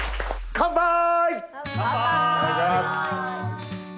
カンパイ！